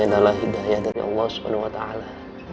yang dalam hidayah dari allah subhanahu wa ta'ala